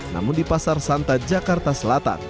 namun di pasar santa jakarta selatan